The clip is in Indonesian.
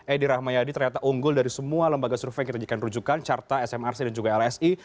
edi rahmayadi ternyata unggul dari semua lembaga survei yang kita jadikan rujukan carta smrc dan juga lsi